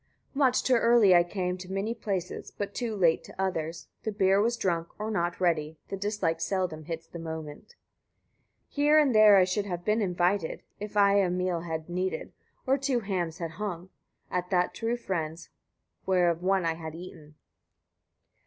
66. Much too early I came to many places, but too late to others: the beer was drunk, or not ready: the disliked seldom hits the moment. 67. Here and there I should have been invited, if I a meal had needed; or two hams had hung, at that true friend's, where of one I had eaten.